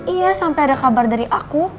iya sampai ada kabar dari aku